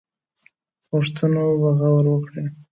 غوښتنو به غور وکړي.